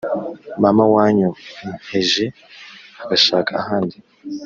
mama wanyonkeje agashaka ahandi